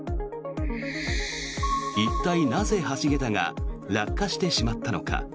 一体なぜ橋桁が落下してしまったのか。